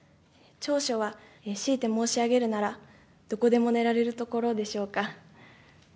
長所は、強いて申し上げるなら、どこでも寝られるところでしょうか。